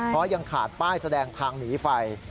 เพราะยังขาดป้ายแสดงทางหนีไฟ